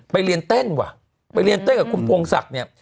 ไปเรียนเต้นว่ะไปเรียนเต้นกับคุณพงศักดิ์เนี่ย